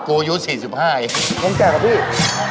โอ้โฮขนาดนั้นเชียว